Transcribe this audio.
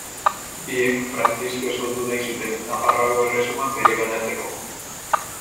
Biek Frantzisko ezkondu nahi zuten Nafarroako Erresuma bereganatzeko.